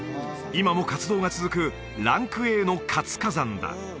今も活動が続くランクＡの活火山だ